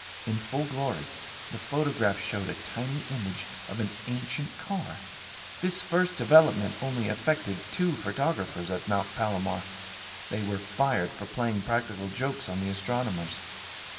In full glory, the photograph showed a tiny image of an ancient car. This first development only affected two photographers at Mount Palomar. They were fired for playing practical jokes on the astronomers.